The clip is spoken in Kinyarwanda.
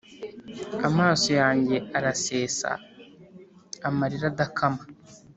amaso yanjye arasesa amarira adakama,